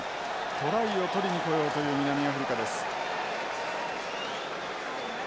トライを取りにこようという南アフリカです。